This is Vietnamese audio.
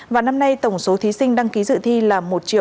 và năm nay tổng số thí sinh đăng ký dự thi là một hai mươi bốn sáu mươi ba